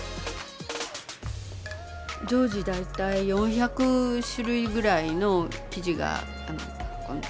常時大体４００種類ぐらいの生地がここにあって。